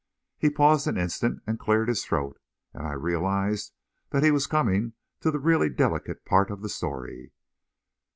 He paused an instant and cleared his throat, and I realised that he was coming to the really delicate part of the story.